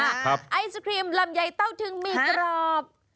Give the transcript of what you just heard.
ไอศครีมลำไยเต้าถึงหมี่กรอบ